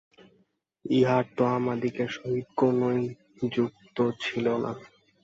উহারা তো আমাদিগের সহিত কখনই যুক্ত ছিল না।